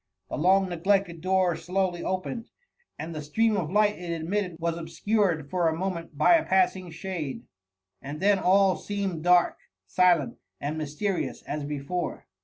The k»g neglected door dawly opened, and the stream of light it admitted was obscured for a moment by a passing shade ; and then all seem ed dark, silent, and mysterious as before.